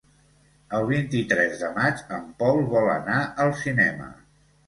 El vint-i-tres de maig en Pol vol anar al cinema.